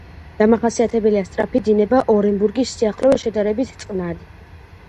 დამახასიათებელია სწრაფი დინება, ორენბურგის სიახლოვეს შედარებით წყნარი.